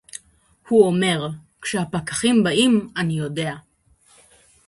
הוא אומר: כשהפקחים באים אני יודע